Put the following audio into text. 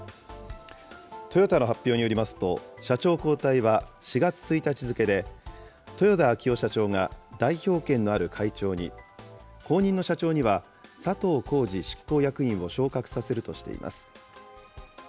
トヨタの発表によりますと、社長交代は４月１日付けで、豊田章男社長が代表権のある会長に、後任の社長には、佐藤恒治執行役員を昇格させるとしています。